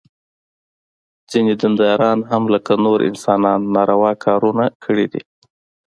ځینې دینداران هم لکه نور انسانان ناروا کارونه کړي دي.